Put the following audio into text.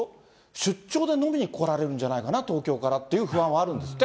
出張で飲みに来られるんじゃないのかなっていう不安はあるんですって。